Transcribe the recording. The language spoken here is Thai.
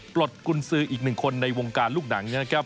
ปลดกุญสืออีกหนึ่งคนในวงการลูกหนังนะครับ